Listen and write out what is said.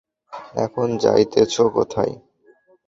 এখন যাইতেছ কোথায়?